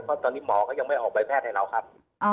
เพราะตอนนี้หมอก็ยังไม่ออกใบแพทย์ให้เราครับ